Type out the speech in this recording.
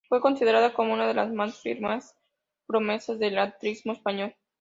Fue considerada como una de las más firmes promesas del atletismo español.